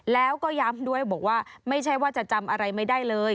แล้วก็ย้ำด้วยบอกว่าไม่ใช่ว่าจะจำอะไรไม่ได้เลย